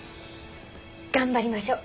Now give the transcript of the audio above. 頑張りましょう。